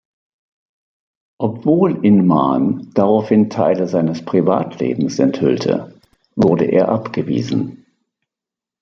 Obwohl Inman daraufhin Teile seines Privatlebens enthüllte, wurde er abgewiesen.